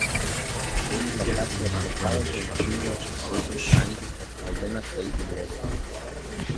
She is Professor of Psychology and Senior Research Scientist at Arizona State University.